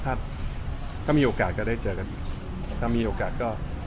ถ้าก็มีโอกาสก็ได้เจอกันอีกถ้ามีโอกาสก็